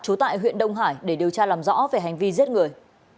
trú tại huyện đông hải để điều tra làm rõ về hành vi giết người